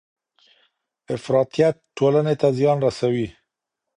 افراطیت ټولني ته زیان رسوي.